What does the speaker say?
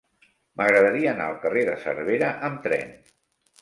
M'agradaria anar al carrer de Cervera amb tren.